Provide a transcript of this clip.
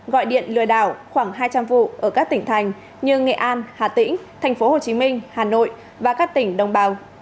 gọi điện lừa đảo khoảng hai trăm linh vụ ở các tỉnh thành như nghệ an hà tĩnh thành phố hồ chí minh hà nội và các tỉnh đồng bào